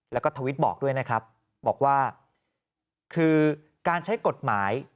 แล้วก็ทวิตบอกด้วยนะครับบอกว่าคือการใช้กฎหมาย